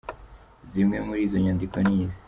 Zimwe muri izo nyandiko ni izi: